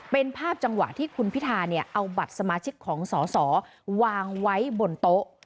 เป็นภาพจังหวะที่คุณพิธาเนี่ยเอาบัตรสมาชิกของสอสอวางไว้บนโต๊ะ